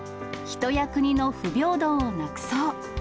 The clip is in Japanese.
人や国の不平等をなくそう。